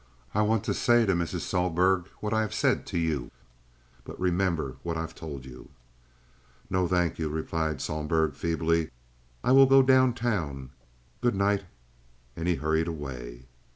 I want to say to Mrs. Sohlberg what I have said to you. But remember what I've told you." "Nau, thank you," replied Sohlberg, feebly. "I will go down town. Good night." And he hurried away.